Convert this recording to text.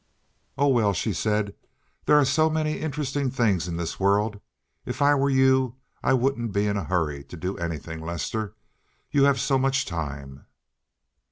"Oh, well," she said, "there are so many interesting things in this world. If I were you I wouldn't be in a hurry to do anything, Lester. You have so much time."